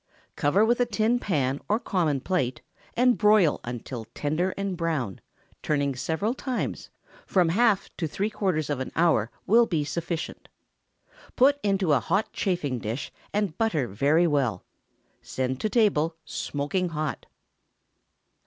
Cover with a tin pan or common plate, and broil until tender and brown, turning several times; from half to three quarters of an hour will be sufficient. Put into a hot chafing dish, and butter very well. Send to table smoking hot.